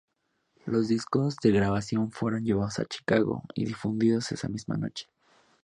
Los discos de grabación fueron llevados a Chicago y difundidos esa misma noche.